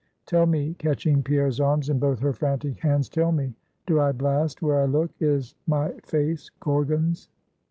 Tell me!" catching Pierre's arms in both her frantic hands "tell me, do I blast where I look? is my face Gorgon's?"